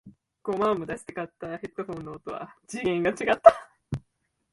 五万も出して買ったヘッドフォンの音は次元が違った